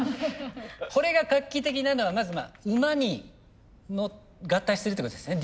これが画期的なのはまず馬に合体してるってことですね